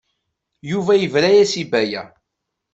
Yuba yebra-as i Baya.